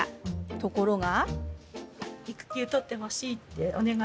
ところが。